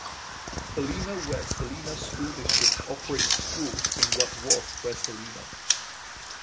Helena-West Helena School District operates schools in what was West Helena.